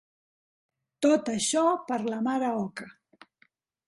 Tot això per la mare oca.